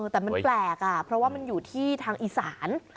แต่มันแปลกเพราะว่ามันอยู่ที่ทางอีสาน